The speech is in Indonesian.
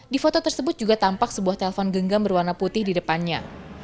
di foto tersebut juga tampak sebuah telpon genggam berwarna putih di depannya